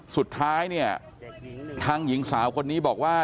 สุดท้ายเนี่ยทางหญิงสาวคนนี้บอกว่า